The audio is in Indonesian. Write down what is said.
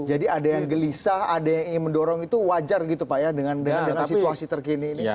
jadi ada yang gelisah ada yang ingin mendorong itu wajar gitu pak ya dengan situasi terkini ini